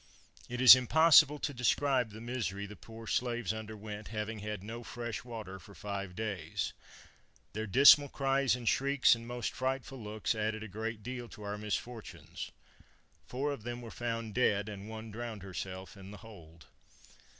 "It is impossible to describe the misery the poor slaves underwent, having had no fresh water for five days. Their dismal cries and shrieks, and most frightful looks, added a great deal to our misfortunes; four of them were found dead, and one drowned herself in the hold.